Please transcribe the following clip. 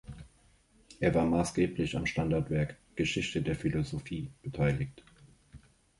Er war maßgeblich am Standardwerk "Geschichte der Philosophie" beteiligt.